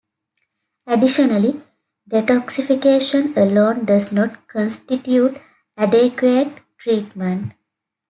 Additionally, detoxification alone does not constitute adequate treatment.